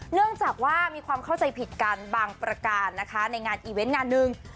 เนื่องจากว่ามีความเข้าใจผิดกันบางประการนะคะในงานอีเวนต์งานหนึ่ง